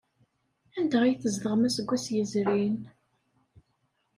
Anda ay tzedɣem aseggas yezrin?